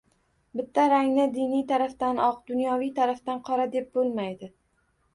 Bitta rangni diniy tarafdan oq, dunyoviy tarafdan qora, deb bo‘lmaydi.